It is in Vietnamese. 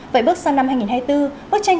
vậy bước sang năm hai nghìn hai mươi bốn bức tranh